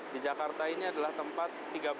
di jakarta ini adalah tempat tiga belas